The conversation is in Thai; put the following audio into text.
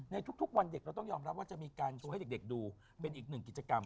ในทุกวันเด็กเราต้องยอมรับว่าจะมีการโชว์ให้เด็กดูเป็นอีกหนึ่งกิจกรรม